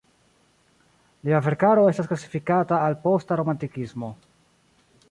Lia verkaro estas klasifikata al posta romantikismo.